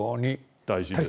大事です。